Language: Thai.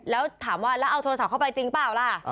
แล้วถามว่าแล้วเอาโทรศัพท์เข้าไปจริงเปล่าล่ะ